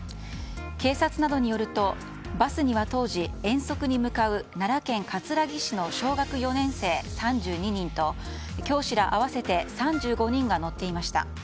警察などによると、バスには当時、遠足に向かう奈良県葛城市の小学４年生、３２人と教師ら合わせて３５人が乗っていました。